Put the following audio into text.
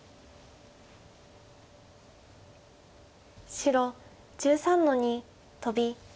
白１３の二トビ。